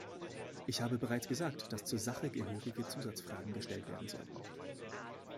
Ich habe bereits gesagt, dass zur Sache gehörige Zusatzfragen gestellt werden sollten.